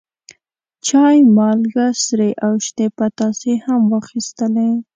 چای، مالګه، سرې او شنې پتاسې هم واخیستلې.